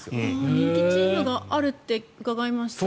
人気チームがあるってうかがいました。